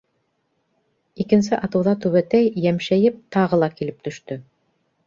Икенсе атыуҙа түбәтәй, йәмшәйеп, тағы ла килеп төштө.